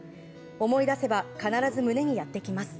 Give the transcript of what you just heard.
思い出せば必ず胸にやってきます。